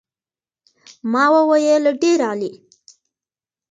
ما وویل ډېر عالي.